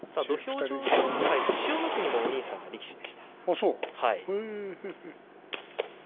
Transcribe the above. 土俵上の千代の国もお兄さんが力士でした。